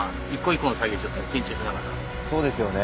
そうですよね。